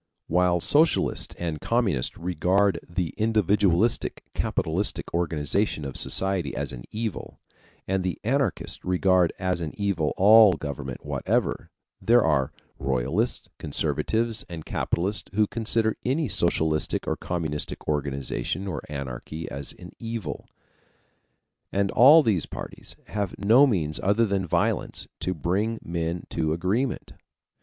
While socialists and communists regard the individualistic, capitalistic organization of society as an evil, and the anarchists regard as an evil all government whatever, there are royalists, conservatives, and capitalists who consider any socialistic or communistic organization or anarchy as an evil, and all these parties have no means other than violence to bring men to agreement.